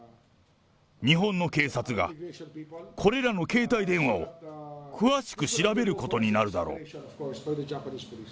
日本の警察が、これらの携帯電話を詳しく調べることになるだろう。